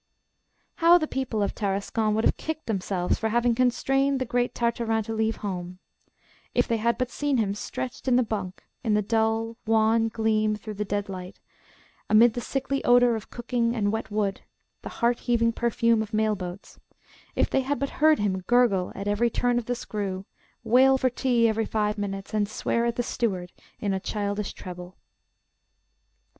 How the people of Tarascon would have kicked themselves for having constrained the great Tartarin to leave home, if they had but seen him stretched in the bunk in the dull, wan gleam through the dead light, amid the sickly odour of cooking and wet wood the heart heaving perfume of mail boats; if they had but heard him gurgle at every turn of the screw, wail for tea every five minutes, and swear at the steward in a childish treble!